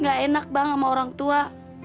nggak enak bang sama orang tua